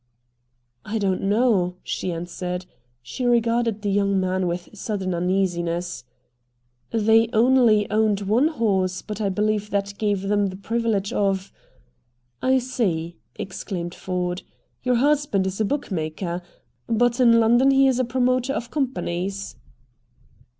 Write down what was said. "I don't know," she answered. She regarded the young man with sudden uneasiness. "They only owned one horse, but I believe that gave them the privilege of " "I see," exclaimed Ford. "Your husband is a bookmaker. But in London he is a promoter of companies."